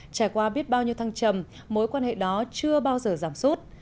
trải qua biết bao nhiêu thăng trầm mối quan hệ đó chưa bao giờ giảm sút